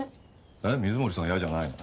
えっ水森さんは嫌じゃないの？